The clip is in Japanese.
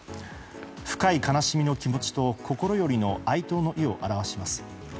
深い悲しみの気持ちと心よりの哀悼の意を表します。